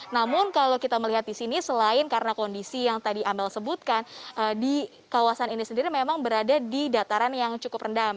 namun kalau kita melihat di sini selain karena kondisi yang tadi amel sebutkan di kawasan ini sendiri memang berada di dataran yang cukup rendah